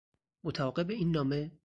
متعاقب این نامه